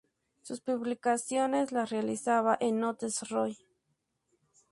Sus publicaciones las realizaba en "Notes Roy.